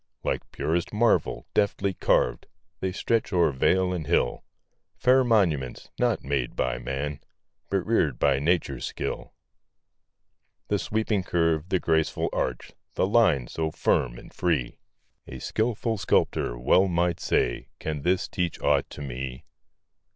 Like purest marble, deftly carv'd, They stretch o'er vale and hill, Fair monuments, not made by man, But rear'd by nature's skill. The sweeping curve, the graceful arch, The line so firm and free; A skilful sculptor well might say: "Can this teach aught to me?"